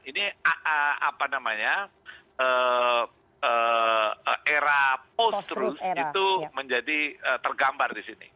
ini era post truth itu menjadi tergambar di sini